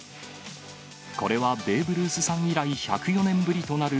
これはベーブ・ルースさん以来、１０４年ぶりとなる、